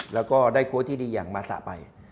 แล้วก็ได้โค้ชที่ดีอย่างมาสะไป